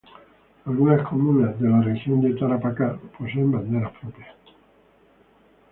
Algunas comunas de la Región de Tarapacá poseen banderas propias.